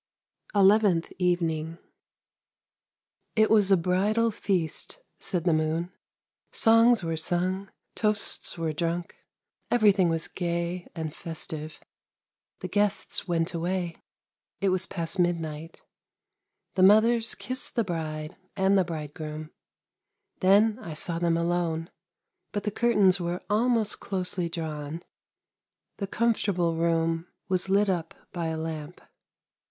" ELEVENTH EVENING " It was a bridal feast! " said the moon. " Songs were sung, toasts were drunk, everything was gay and festive. The guests went away; it was past midnight. The mothers kissed the bride and the bridegroom. Then I saw them alone, but the curtains were almost closely drawn; the comfortable room was lit up by WHAT THE MOON SAW 241 a lamp.